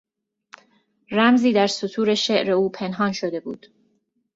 رمزی در سطور شعر او پنهان شده بود.